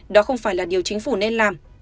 đó không phải là điều chính phủ nên làm